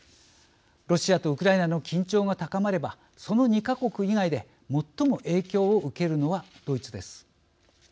ロシアとウクライナの緊張が高まればその２か国以外でもっとも影響を受けるのはドイツです。